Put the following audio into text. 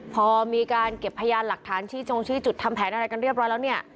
พอมีการเก็บพยานหลักฐานชี้จงชี้จุดทำแผนอะไรกันเรียบร้อยแล้วเนี่ย